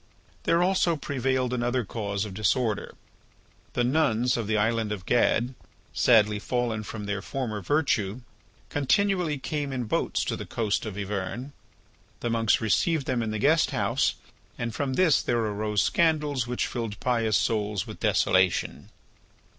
There also prevailed another cause of disorder. The nuns of the island of Gad, sadly fallen from their former virtue, continually came in boats to the coast of Yvern. The monks received them in the guesthouse and from this there arose scandals which filled pious souls with desolation.